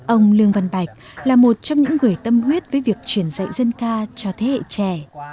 ông lương văn bạch là một trong những người tâm huyết với việc truyền dạy dân ca cho thế hệ trẻ